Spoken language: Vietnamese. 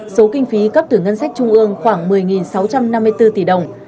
số kinh phí cấp từ ngân sách trung ương khoảng một mươi sáu trăm năm mươi bốn tỷ đồng